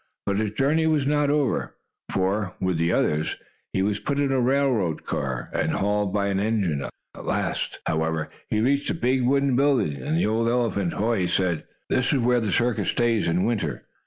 But his journey was not over, for, with the others, he was put in a railroad car, and hauled by an engine. At last, however, he reached a big wooden building, and the old elephant, Hoy, said: "This is where the circus stays in winter.